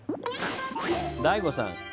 大悟さん